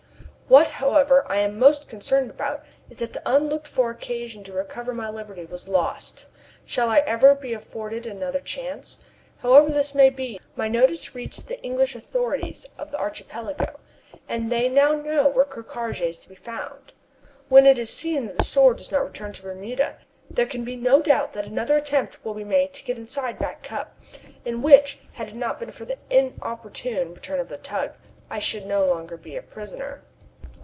What, however, I am most concerned about is that the unlooked for occasion to recover my liberty was lost. Shall I ever be afforded another chance? However this may be, my notice reached the English authorities of the archipelago, and they now know where Ker Karraje is to be found. When it is seen that the Sword does not return to Bermuda, there can be no doubt that another attempt will be made to get inside Back Cup, in which, had it not been for the inopportune return of the tug, I should no longer be a prisoner.